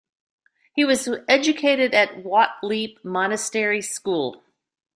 He was educated at Wat Liep Monastery Sch.